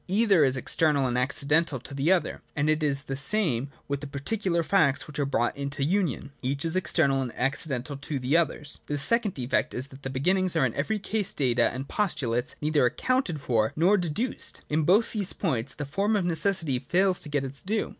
Either is external and accidental to the other ; and it is the same with the particular facts which are brought into union : each is external and accidental to the others. The second defect is that the beginnings are in every case data and postulates, neither accounted for nor deduced. In both these points the form of necessity fails to get its due.